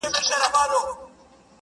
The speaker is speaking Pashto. سیاه پوسي ده، شپه لېونۍ ده.